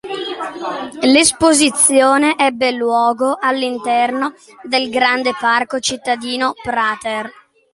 L'esposizione ebbe luogo all'interno del grande parco cittadino Prater.